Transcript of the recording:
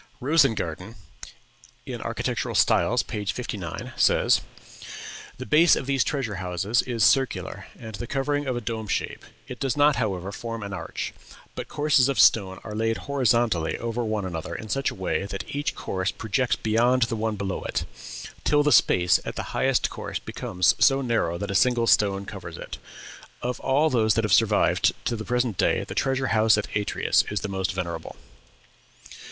Rosengarten ("Architectural Styles," p. 59) says: "The base of these treasure houses is circular, and the covering of a dome shape; it does not, however, form an arch, but courses of stone are laid horizontally over one another in such a way that each course projects beyond the one below it, till the space at the highest course becomes so narrow that a single stone covers it. Of all those that have survived to the present day the treasure house at Atreus is the most venerable."